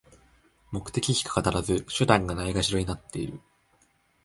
目的しか語らず、手段がないがしろになってる